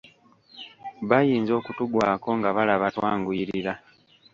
Bayinza okutugwako nga balaba twanguyirira.